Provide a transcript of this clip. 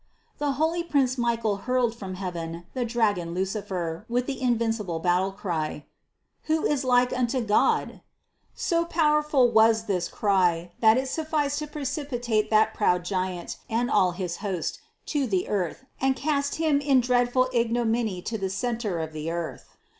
The holy prince Michael hurled from heaven the dragon Lucifer with the invincible battle cry: "Who is like unto God?" So powerful was this cry, that it sufficed to precipitate that proud giant and all his host to the earth and cast him in dreadful ignominy to the centre of the earth.